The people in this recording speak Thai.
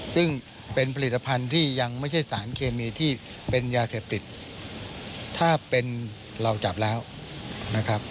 ซึ่งเป็นผลิตภัณฑ์ที่ยังไม่ใช่สารเคมีที่เป็นยาเสพติดถ้าเป็นเราจับแล้วนะครับ